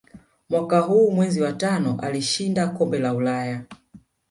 Mwaka huu mwezi wa tano alishinda kombe la ulaya